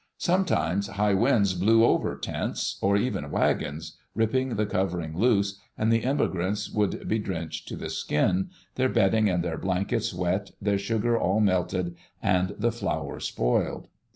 Sometimes high winds blew over tents, or even wagons, ripping the covering loose, and the immi grants would be drenched to the skin — their bedding and their blankets wet, their sugar all melted, and the flour spoiled.